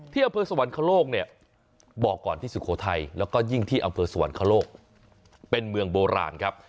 อำเภอสวรรคโลกเนี่ยบอกก่อนที่สุโขทัยแล้วก็ยิ่งที่อำเภอสวรรคโลกเป็นเมืองโบราณครับ